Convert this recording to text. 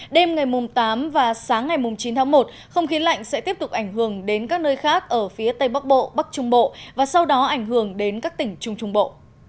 đêm ngày tám và sáng ngày chín tháng một không khí lạnh sẽ tiếp tục ảnh hưởng đến các nơi khác ở phía tây bắc bộ bắc trung bộ và sau đó ảnh hưởng đến các tỉnh trung trung bộ